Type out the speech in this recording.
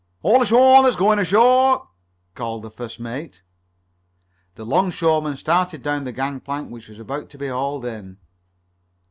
"All ashore that's going ashore!" called the first mate. The 'longshoreman started down the gangplank which was about to be hauled in.